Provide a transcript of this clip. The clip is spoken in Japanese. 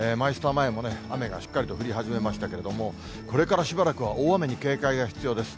前も雨がしっかりと降り始めましたけれども、これからしばらくは大雨に警戒が必要です。